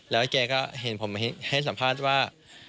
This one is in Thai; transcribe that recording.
แล้วแกก็เห็นผมให้สัมภาษณ์ว่า